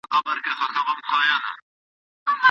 د صحنې پراخوالی د وخت په احساس اغېزه کوي.